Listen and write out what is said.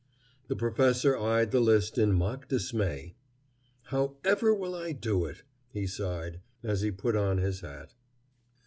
The professor eyed the list in mock dismay. "How ever will I do it?" he sighed, as he put on his hat.